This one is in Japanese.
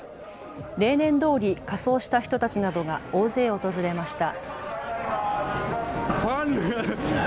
例年どおり仮装した人たちなどが大勢訪れました。